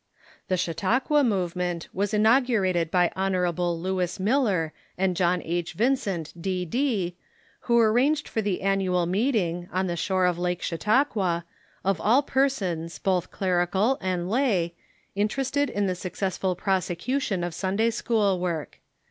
The Chautauqua movement was inaugurated by Hon. Lewis Miller and John H. Vincent, D.D., who arranged for the an nual meeting, on the shore of Lake Chautauqua, ^^''MotemenV"'' ^^^^^ persons, both clerical and lay, interested in the successful prosecution of Sunday school work.